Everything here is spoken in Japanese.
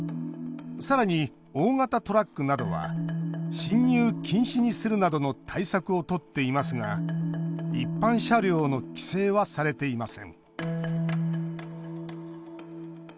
さらに大型トラックなどは進入禁止にするなどの対策をとっていますが一般車両の規制はされていません。